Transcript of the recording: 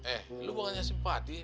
eh lu buangannya simpati